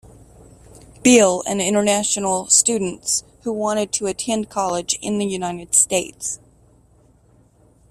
Bill, and international students who wanted to attend college in the United States.